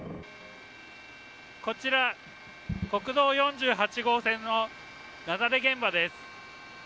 こちら国道４８号線の雪崩現場です。